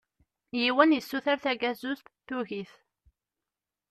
Yiwen yessuter tagazuzt, tugi-t.